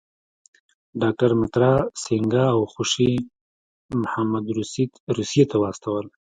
ډاکټر مترا سینګه او خوشي محمد روسیې ته واستول.